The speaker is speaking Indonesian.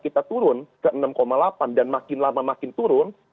kita turun ke enam delapan dan makin lama makin turun